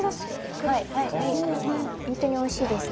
ほんとにおいしいです。